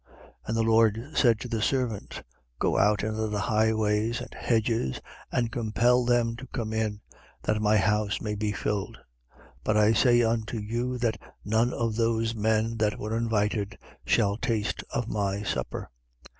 14:23. And the Lord said to the servant: Go out into the highways and hedges, and compel them to come in, that my house may be filled. 14:24. But I say unto you that none of those men that were invited shall taste of my supper.